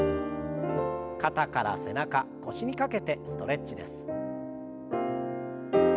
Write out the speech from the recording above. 肩から背中腰にかけてストレッチです。